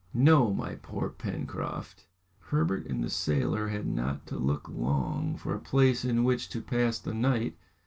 "No, my poor Pencroft." Herbert and the sailor had not to look long for a place in which to pass the night.